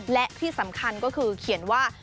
และที่สำคัญก็คือเขียนว่า